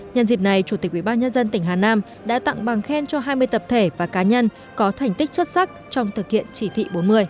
nhân dịp này chủ tịch ubnd tỉnh hà nam đã tặng bằng khen cho hai mươi tập thể và cá nhân có thành tích xuất sắc trong thực hiện chỉ thị bốn mươi